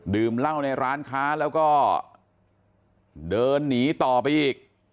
ดื่มเหล้าในร้านค้าแล้วก็เดินหนีต่อไปอีก